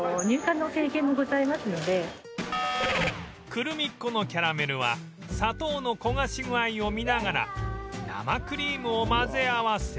クルミッ子のキャラメルは砂糖の焦がし具合を見ながら生クリームを混ぜ合わせ